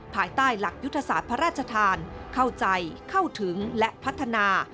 ภายใต้หลักยุทธศาสตร์พระราชทานเข้าใจเข้าถึงและพัฒนา